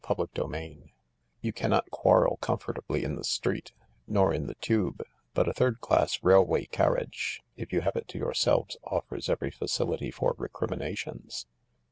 CHAPTER XI You cannot quarrel comfortably in the street, nor in the Tube, but a third class railway carriage, if you haveit to your selves, offers every facility for recriminations.